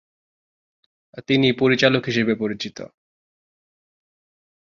তিনি পরিচালক হিসেবে পরিচিত।